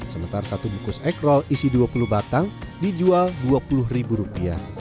sementara satu bukus egg roll isi dua puluh batang dijual dua puluh ribu rupiah